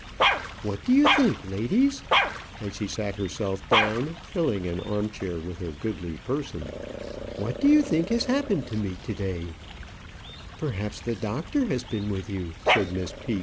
"What do you think, ladies?" and she sat herself down, filling an arm chair with her goodly person. "What do you think has happened to me to day?" "Perhaps the doctor has been with you," said Miss P.